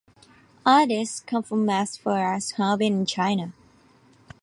Artists come from as far as Harbin in China.